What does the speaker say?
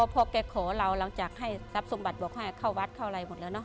พอแกขอเราเราอยากให้ทรัพย์สมบัติบอกให้เข้าวัดเข้าอะไรหมดแล้วเน